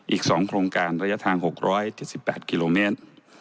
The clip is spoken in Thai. อีก๒โครงการระยะทาง๖๗๘กิโลเมตร